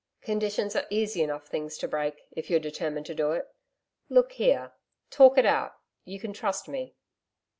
'Conditions are easy enough things to break, if you're determined to do it. Look here talk it out.... you can trust me.'